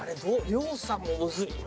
亮さんもむずいな。